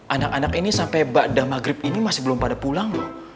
anak anak ini sampai mbak dah maghrib ini masih belum pada pulang lho